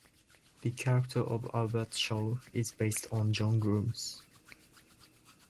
The character of Albert Shaw is based on John Grooms.